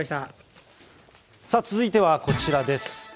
続いてはこちらです。